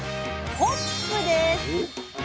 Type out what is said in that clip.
「ホップ」です。